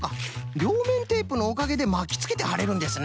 りょうめんテープのおかげでまきつけてはれるんですな。